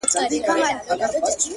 صبر د وخت له ازموینې سره مل وي